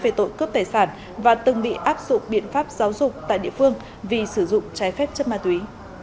về tội cướp tài sản và từng bị áp dụng biện pháp giáo dục tại địa phương vì sử dụng trái phép chất ma túy